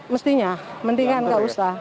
mestinya mendingan gak usah